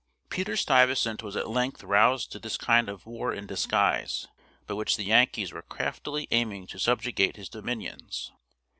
Peter Stuyvesant was at length roused to this kind of war in disguise, by which the Yankees were craftily aiming to subjugate his dominions.